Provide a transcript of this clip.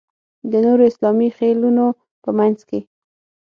د نورو اسلامي خېلونو په منځ کې.